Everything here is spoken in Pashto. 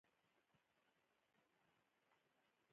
د نجونو تعلیم د سولې پیغام خپروي.